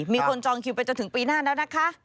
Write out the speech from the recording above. จองคิวไปจนถึงปีหน้าแล้วนะคะ